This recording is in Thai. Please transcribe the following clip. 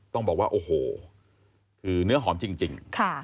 ต้องบอกว่าโอ้โหคือเนื้อหอมจริง